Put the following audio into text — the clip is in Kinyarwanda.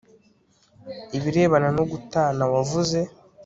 ibirebana no gutana wavuze